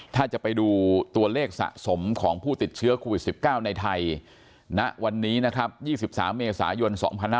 ถ้าจะไปดูตัวเลขสะสมของผู้ติดเชื้อโควิด๑๙ในไทยณวันนี้นะครับ๒๓เมษายน๒๕๖๒